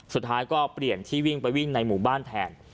สุดท้ายก็เปลี่ยนที่วิ่งไปวิ่งในหมู่บ้านแทน